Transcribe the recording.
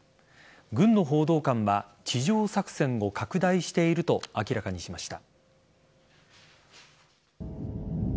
軍の報道官は地上作戦を拡大していると明らかにしました。